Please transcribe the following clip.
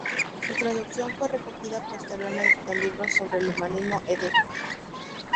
Su traducción fue recogida posteriormente en el libro "Sobre el humanismo", Ed.